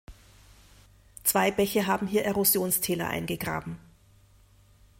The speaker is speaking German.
Zwei Bäche haben hier Erosionstäler eingegraben.